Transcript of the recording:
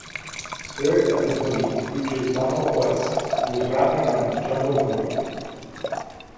"Spirit of the Boogie" features Donal Boyce, who was rapping on "Jungle Boogie".